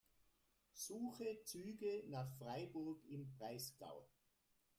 Suche Züge nach Freiburg im Breisgau.